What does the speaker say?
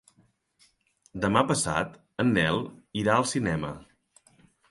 Demà passat en Nel irà al cinema.